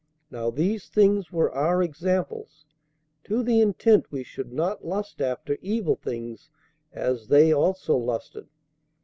Now these things were our examples, to the intent we should not lust after evil things, as they also lusted.